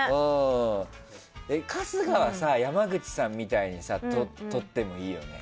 春日はさ、山口さんみたいに撮ってもいいよね。